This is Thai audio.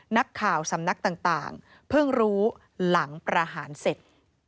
สำนักต่างเพิ่งรู้หลังประหารเสร็จ